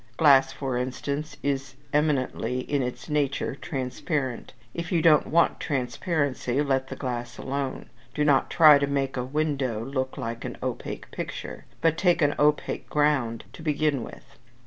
Glass, for instance, is eminently, in its nature, transparent. If you don't want transparency, let the glass alone. Do not try to make a window look like an opaque picture, but take an opaque ground to begin with.